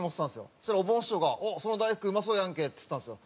そしたらおぼん師匠が「その大福うまそうやんけ」っつったんですよ。